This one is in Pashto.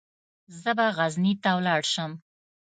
زه به غزني ته ولاړ شم.